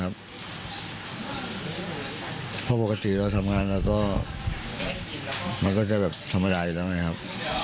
เพราะปกติเราทำงานเราก็มันก็จะแบบธรรมดาอยู่แล้วไงครับ